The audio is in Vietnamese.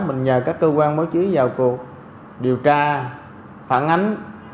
mình nhờ các cơ quan báo chí vào cuộc điều tra phản ánh